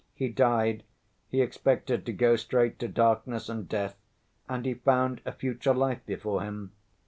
He died; he expected to go straight to darkness and death and he found a future life before him.